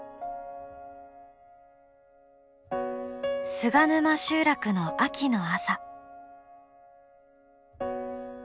菅沼集落の秋の朝。